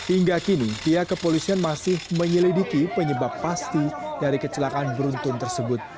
hingga kini pihak kepolisian masih menyelidiki penyebab pasti dari kecelakaan beruntun tersebut